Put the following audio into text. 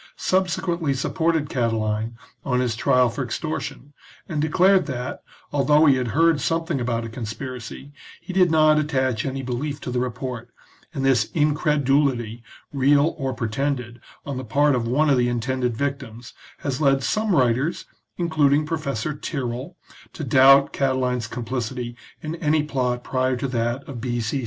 CONSPIRACY OF CATILINE. XXlll subsequently supported Catiline on his trial for extor tion, and declared that, although he had heard some thing about a conspiracy, he did not attach any belief to the report, and this incredulity, real or pretended, on the part of one of the intended victims, has led some writers, including Professor Tyrrell, to doubt Catiline's complicity in any plot prior to that of B.C.